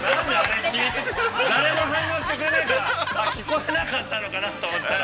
◆誰も反応してくれないから聞こえなかったのかなと思ったら。